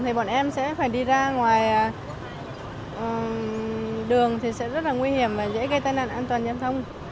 thì bọn em sẽ phải đi ra ngoài đường thì sẽ rất là nguy hiểm và dễ gây tai nạn an toàn giao thông